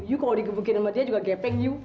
you kalau digebukin sama dia juga gepeng you